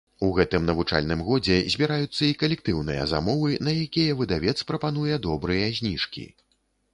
У гэтым навучальным годзе збіраюцца і калектыўныя замовы, на якія выдавец прапануе добрыя зніжкі.